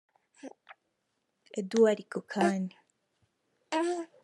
Eduard Kukan